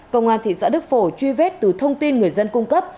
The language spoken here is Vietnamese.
công an thị xã đức phổ truy vết từ thông tin người dân cung cấp